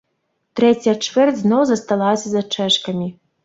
Трэцяя чвэрць зноў засталася за чэшкамі.